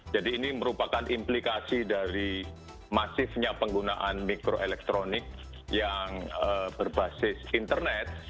jadi ini merupakan implikasi dari masifnya penggunaan mikroelektronik yang berbasis internet